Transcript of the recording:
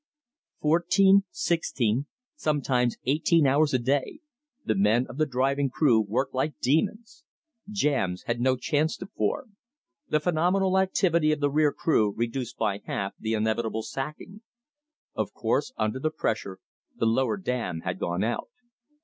Fourteen, sixteen, sometimes eighteen hours a day, the men of the driving crew worked like demons. Jams had no chance to form. The phenomenal activity of the rear crew reduced by half the inevitable sacking. Of course, under the pressure, the lower dam had gone out.